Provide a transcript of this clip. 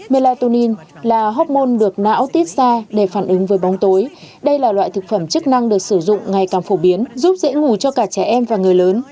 melatonin là hóc môn được não tiết ra để phản ứng với bóng tối đây là loại thực phẩm chức năng được sử dụng ngày càng phổ biến giúp dễ ngủ cho cả trẻ em và người lớn